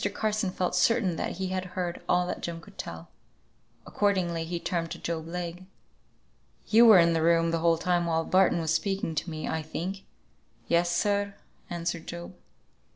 Carson felt certain that he had heard all that Jem could tell. Accordingly he turned to Job Legh. "You were in the room the whole time while Barton was speaking to me, I think?" "Yes, sir," answered Job.